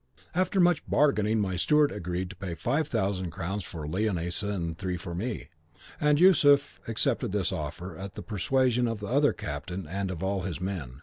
After much bargaining my steward agreed to pay five thousand crowns for Leonisa and three for me, and Yusuf accepted this offer at the persuasion of the other captain and of all his men.